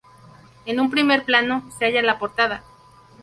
En un primer plano, se halla la portada.